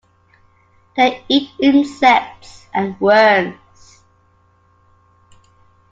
They eat insects and worms.